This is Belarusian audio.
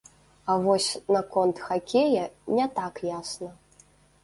А вось наконт хакея не так ясна.